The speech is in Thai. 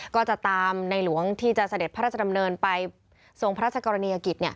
ก็จะตามในหลวงที่จะเสด็จพระราชดำเนินไปทรงพระราชกรณียกิจ